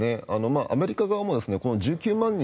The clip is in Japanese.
アメリカ側も１９万